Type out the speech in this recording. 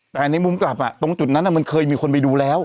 แต่ในมุมกลับตรงจุดนั้นมันเคยมีคนไปดูแล้ว